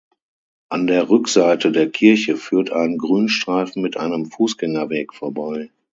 An der Rückseite der Kirche führt ein Grünstreifen mit einem Fußgängerweg vorbei.